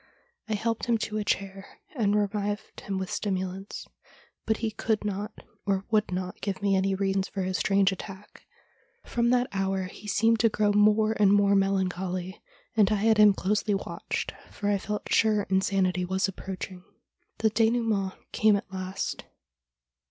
I helped him to a chair, and revived him with stimulants, but he could not or would not give me any reason for his strange attack. ' From that hour he seemed to grow more and more melancholy, and I had him closely watched, for I felt sure insanity was approaching. The cUnoument came at last.